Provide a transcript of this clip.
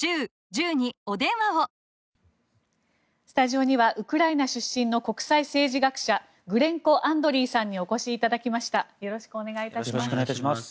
スタジオにはウクライナ出身の国際政治学者グレンコ・アンドリーさんにお越しいただきました。